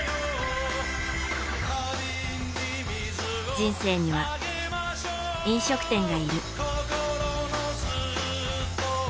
人生には、飲食店がいる。